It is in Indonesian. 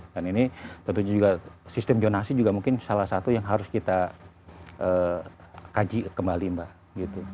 dan ini tentu juga sistem jonasi juga mungkin salah satu yang harus kita kaji kembali mbak